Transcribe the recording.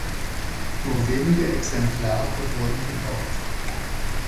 Nur wenige Exemplare wurden gebaut.